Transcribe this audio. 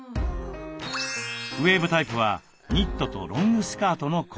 ウエーブタイプはニットとロングスカートのコーデ。